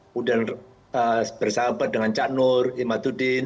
kemudian bersahabat dengan cak nur imatudin